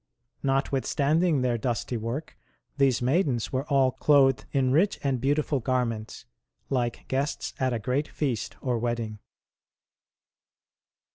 Notwithstanding their dusty work, these maidens were all clothed in rich and beautiful garments, like guests at a great feast or wedding.